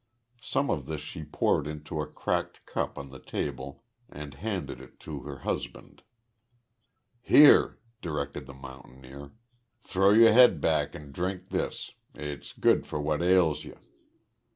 Some of this she poured into a cracked cup on the table and handed it to her husband. "Here," directed the mountaineer, "throw yo' haid back an' drink this. Et's good fur what ails yer."